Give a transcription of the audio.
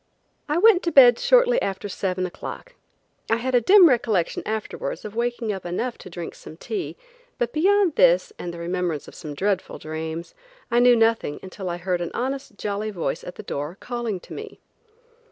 I went to bed shortly after seven o'clock. I had a dim recollection afterwards of waking up enough to drink some tea, but beyond this and the remembrance of some dreadful dreams, I knew nothing until I heard an honest, jolly voice at the door calling to me.